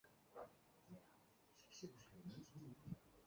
一家人很温馨的生活。